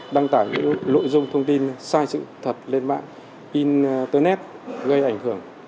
đăng tải những nội dung thông tin sai sự thật lên mạng internet gây ảnh hưởng